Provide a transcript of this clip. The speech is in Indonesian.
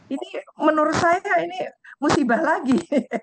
ini menurut saya ini musibah lagi